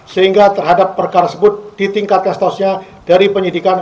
sehingga terhadap perkara tersebut ditingkatkan setausnya dari penyidikan